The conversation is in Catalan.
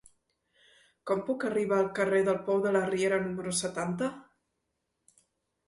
Com puc arribar al carrer del Pou de la Riera número setanta?